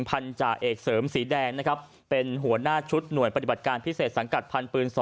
พันธาเอกเสริมสีแดงนะครับเป็นหัวหน้าชุดหน่วยปฏิบัติการพิเศษสังกัดพันธ์ปืน๒